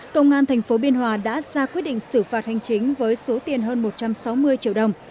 công an tp biên hòa đã ra quyết định xử phạt hành chính với số tiền hơn một trăm sáu mươi triệu đồng